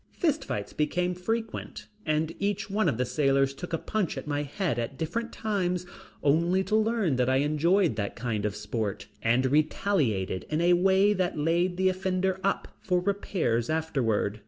Fist fights became frequent and each one of the sailors took a "punch at my head" at different times, only to learn that I enjoyed that kind of sport and retaliated in a way that laid the offender up for repairs afterward.